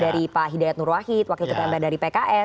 dari pak hidayat nur wahid wakil ketemba dari pks